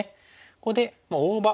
ここで大場。